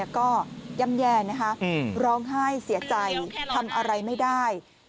ก็ย่ำแย่นะคะร้องไห้เสียใจทำอะไรไม่ได้